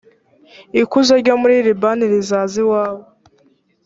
ikuzo ryo muri libani rizaza iwawe